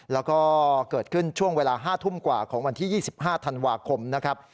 แล้วก็เกิดขึ้นช่วงเวลา๕ทุ่มกว่าของวันที่๒๕ธันวาคมนะครับ